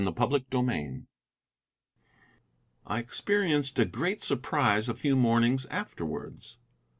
CHAPTER VII I experienced a great surprise a few mornings afterwards.